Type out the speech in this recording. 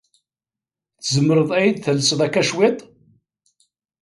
Tzemreḍ ad iyi-d-talseḍ akka cwiṭ?